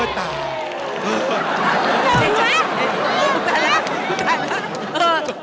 ตายแล้ว